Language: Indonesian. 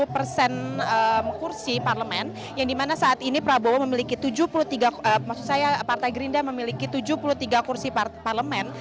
tujuh puluh persen kursi parlemen yang dimana saat ini prabowo memiliki tujuh puluh tiga maksud saya partai gerindra memiliki tujuh puluh tiga kursi parlemen